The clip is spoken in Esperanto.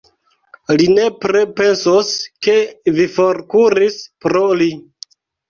Li nepre pensos, ke vi forkuris pro li!